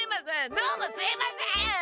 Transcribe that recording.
どうもすいません！